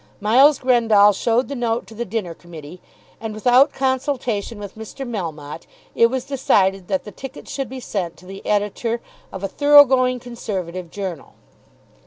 Miles Grendall showed the note to the dinner committee, and, without consultation with Mr. Melmotte, it was decided that the ticket should be sent to the Editor of a thorough going Conservative journal.